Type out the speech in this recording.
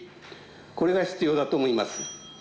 これが必要だと思います。